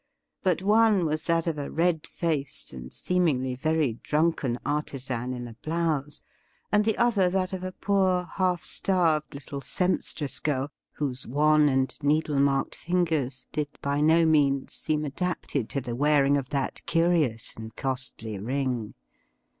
But one was that of a red faced and seemingly very dranken artisan in a blouse, and the other that of a poor half starved little sempstress girl, whose wan and needle marked fingers did by no means seem adapted to the wearing of that ciurious and costly rino".